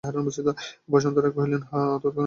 বসন্ত রায় কহিলেন, হাঁ ও তৎক্ষণাৎ সেতার তুলিয়া লইলেন।